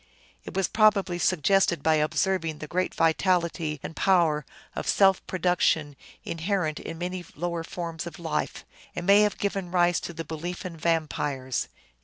It was probably sug gested by observing the great vitality and power of self produc tion inherent in many lower forms of life, and may have given rise to the belief in vampires.